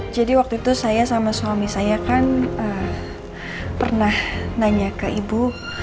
jadi waktu itu saya sama suami saya kan pernah nanya ke ibu